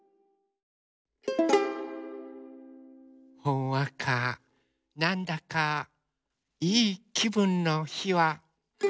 ほんわかなんだかいいきぶんのひは。